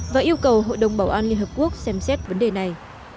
và yêu cầu hội đồng bảo an liên hợp quốc xem xét vấn đề này